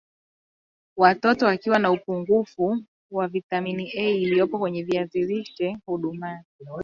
Watoto wakiwa na upungufu wa vitamini A iliyo kwenye viazi lishe hudumaa